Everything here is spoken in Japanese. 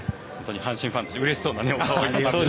阪神ファンとしてうれしそうなお顔でしたね。